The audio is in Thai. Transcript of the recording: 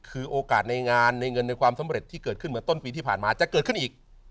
คือโอกาสในงานในเงินในความสำเร็จที่เกิดขึ้นเหมือนต้นปีที่ผ่านมาจะเกิดขึ้นอีก